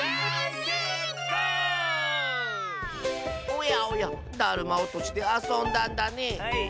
おやおやだるまおとしであそんだんだね。